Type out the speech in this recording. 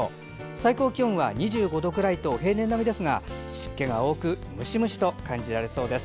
最高気温は２５度くらいと平年並みですが湿気が多くムシムシと感じられそうです。